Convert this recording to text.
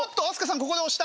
ここで押した！